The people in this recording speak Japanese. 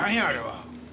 あれは。